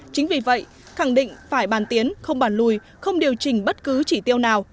chính vì vậy khẳng định phải bàn tiến không bàn lùi không điều chỉnh bất cứ chỉ tiêu nào